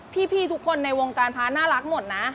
พี่ทุกคนในวงการพระน่ารักหมดนะ